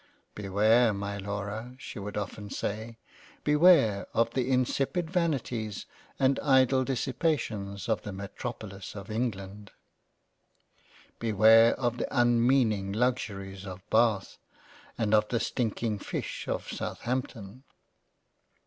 " Beware my Laura (she would often say) Beware of the insipid Vanities and idle Dissipations of the Metropolis of England ; Beware of the unmeaning Luxuries of Bath and of the stinking fish of Southampton."